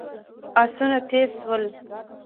آسونه تېز شول.